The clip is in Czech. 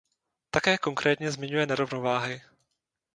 Také konkrétně zmiňuje nerovnováhy.